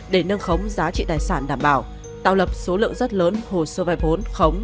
để nâng khống giá trị tài sản đảm bảo tạo lập số lượng rất lớn hồ sơ vay vốn khống